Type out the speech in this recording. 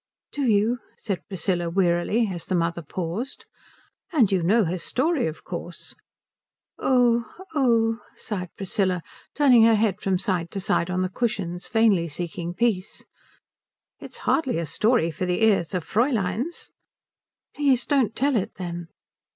"Do you?" said Priscilla wearily, as the mother paused. "And you know her story, of course?" "Oh, oh," sighed Priscilla, turning her head from side to side on the cushions, vainly seeking peace. "It is hardly a story for the ears of Fräuleins." "Please don't tell it, then."